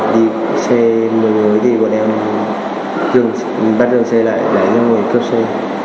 đi xe mới mới thì bọn em bắt đường xe lại để đưa người cướp xe